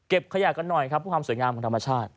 เก็บขยะกันหน่อยครับความสวยงามของธรรมชาติ